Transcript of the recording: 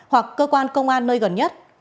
hoặc cơ quan công an nơi gần nhất